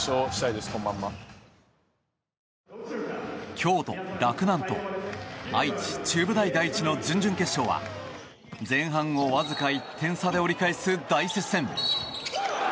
京都・洛南と愛知・中部大第一の準々決勝は前半をわずか１点差で折り返す大接戦。